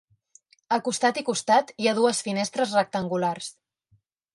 A costat i costat hi ha dues finestres rectangulars.